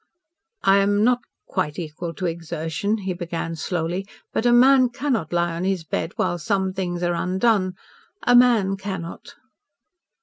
"I am not quite equal to exertion," he began slowly. "But a man cannot lie on his bed while some things are undone a MAN cannot."